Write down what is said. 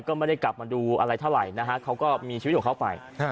ก็ไม่ได้กลับมาดูอะไรเท่าไหร่นะฮะเขาก็มีชีวิตของเขาไป